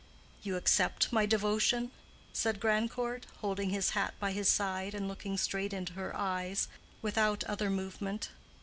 "You accept my devotion?" said Grandcourt, holding his hat by his side and looking straight into her eyes, without other movement.